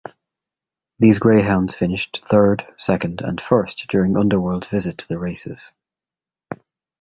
These greyhounds finished third, second, and first during Underworld's visit to the races.